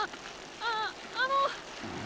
あっあの。